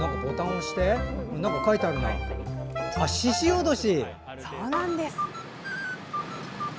ししおどし！